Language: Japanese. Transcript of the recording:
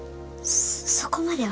そそこまでは。